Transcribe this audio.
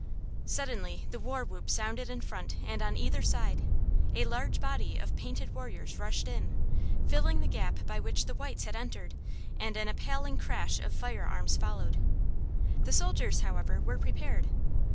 Suddenly the war whoop sounded in front and on either side; a large body of painted warriors rushed in, filling the gap by which the whites had entered, and an appalling crash of fire arms followed. The soldiers, however, were prepared.